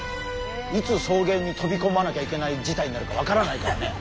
いつ草原にとびこまなきゃいけない事態になるかわからないからね。